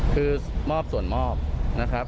คือมอบส่วนมอบนะครับ